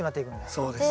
そうです。